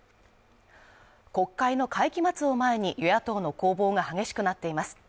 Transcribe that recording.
国会の会期末を前に与野党の攻防が激しくなっています。